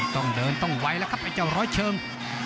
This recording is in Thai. ต้องเดินต้องไวแล้วครับไอ้เจ้าร้อยเชิง